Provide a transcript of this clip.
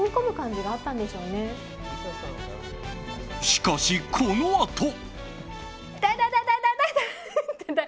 しかし、このあと。